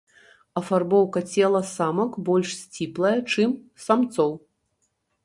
Афарбоўка цела самак больш сціплая, чым самцоў.